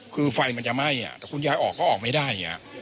คือไฟมันจะไหม้แต่คุณยายออกก็ออกไม่ได้อย่างนี้